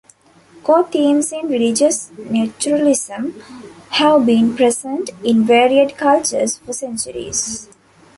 Core themes in religious naturalism have been present, in varied cultures, for centuries.